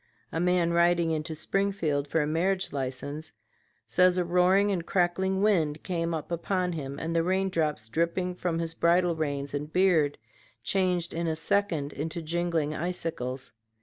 A man riding into Springfield for a marriage license says a roaring and crackling wind came upon him and the rain drops dripping from his bridle reins and beard changed in a second into jingling icicles.